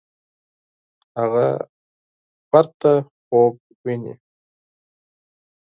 هغه تکراري خوب ویني.